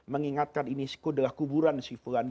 mengingatkan ini adalah kuburan syifulan